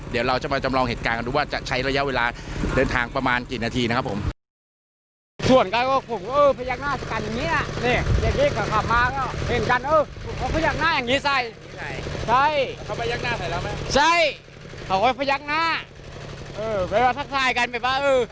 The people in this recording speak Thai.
เดี๋ยวเราจะมาจำลองเหตุการณ์กันดูว่าจะใช้ระยะเวลาเดินทางประมาณกี่นาทีนะครับผม